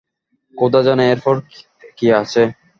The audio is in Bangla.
খোদা জানে, এরপরে কি আছে!